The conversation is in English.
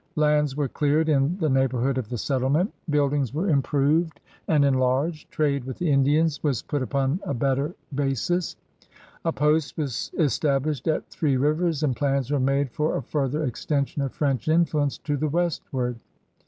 Lands were cleared in the neighbor hood of the settlement; buildings were improved THE FOUNDING OF NEW FRANCE SS and enlarged; trade with the Indians was put upon a better basis. A post was established at Three Rivers, and plans were made for a further extension of French influence to the westward.